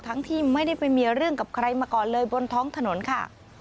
ที่ไม่ได้ไปมีเรื่องกับใครมาก่อนเลยบนท้องถนนค่ะ